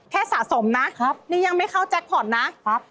แค่สะสมนะนี่ยังไม่เข้าแจ็คพอร์ตนะ